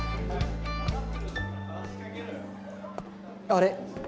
あれ？